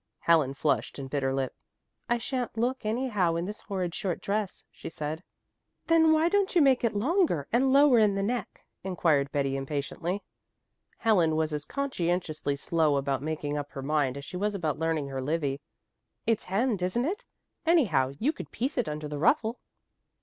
Helen flushed and bit her lip. "I shan't look anyhow in this horrid short dress," she said. "Then why don't you make it longer, and lower in the neck?" inquired Betty impatiently. Helen was as conscientiously slow about making up her mind as she was about learning her Livy. "It's hemmed, isn't it? Anyhow you could piece it under the ruffle."